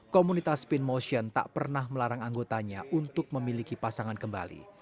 komunitas spin motion tak pernah melarang anggotanya untuk memiliki pasangan kembali